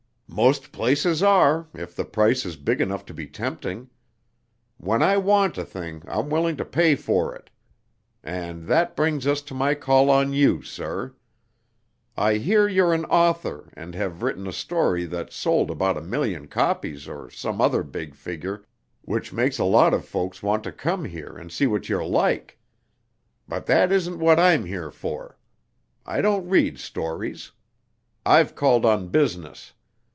"Most places are, if the price is big enough to be tempting. When I want a thing I'm willing to pay for it. And that brings us to my call on you, sir. I hear you're an author, and have written a story that's sold about a million copies or some other big figure which makes a lot of folks want to come here and see what you're like. But that isn't what I'm here for. I don't read stories. I've called on business.